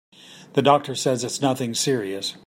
The doctor says it's nothing serious.